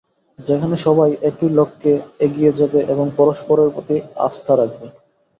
যেখানে সবাই একই লক্ষ্যে এগিয়ে যাবে এবং পরস্পরের প্রতি আস্থা রাখবে।